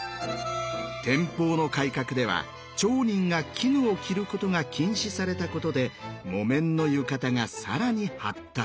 天保の改革では町人が絹を着ることが禁止されたことで木綿の浴衣が更に発達。